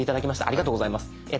ありがとうございます。